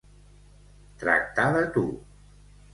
Tractar de tu.